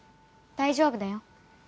大丈夫だよ。